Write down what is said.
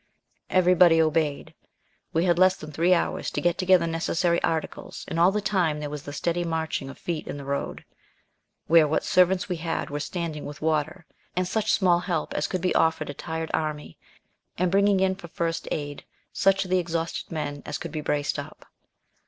Everybody obeyed. We had less than three hours to get together necessary articles and all the time there was the steady marching of feet in the road, where what servants we had were standing with water and such small help as could be offered a tired army, and bringing in for first aid such of the exhausted men as could be braced up.